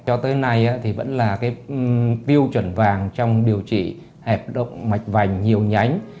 cho tới nay thì vẫn là cái tiêu chuẩn vàng trong điều trị hẹp động mạch vành nhiều nhánh